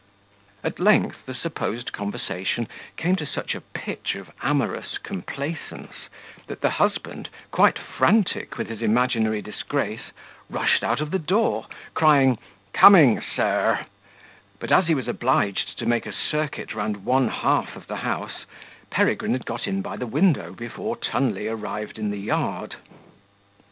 At length the supposed conversation came to such a pitch of amorous complaisance, that the husband, quite frantic with his imaginary disgrace, rushed out of the door crying, "Coming, sir;" but as he was obliged to make a circuit round one half of the house, Peregrine had got in by the window before Tunley arrived in the yard.